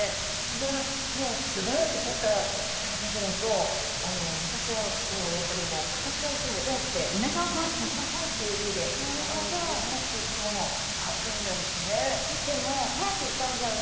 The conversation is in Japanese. だからもうすばやくとれたサバちゃんじゃないと昔はもうやっぱりあたっちゃう人も多くて「早く食べなさい」っていう意味で「サバの生き腐れ」っていう言葉もあるぐらいなんですよね。